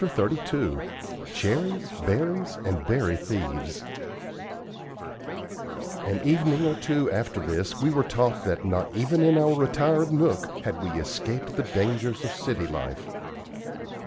CHAPTER XXXII CHERRIES, BERRIES, AND BERRY THIEVES An evening or two after this we were taught that not even in our retired nook had we escaped the dangers of city life.